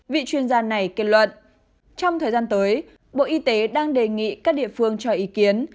vị chuyên gia này kết luận trong thời gian tới bộ y tế đang đề nghị các địa phương cho ý kiến